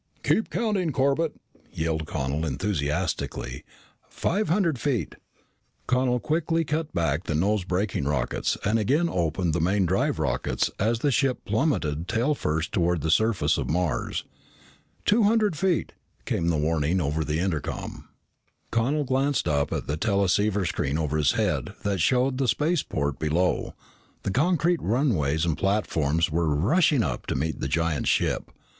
"Keep counting, Corbett!" yelled Connel enthusiastically. "Five hundred feet!" Connel quickly cut back the nose braking rockets and again opened the main drive rockets as the ship plummeted tailfirst toward the surface of Mars. "Two hundred feet!" came the warning call over the intercom. Connel glanced up at the teleceiver screen over his head that showed the spaceport below. The concrete runways and platforms were rushing up to meet the giant ship.